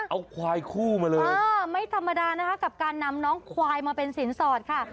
เอาควายคู่มาเลยไม่ธรรมดานะคะกับการนำน้องควายมาเป็นสินสอดค่ะ